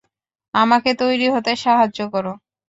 আমাকে তৈরি হতে সাহায্য করো।